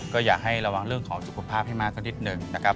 ก็อยากให้ระวังเรื่องของสุขภาพให้มากสักนิดหนึ่งนะครับ